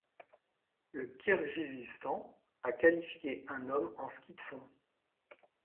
Le Kirghizistan a qualifié un homme en ski de fond.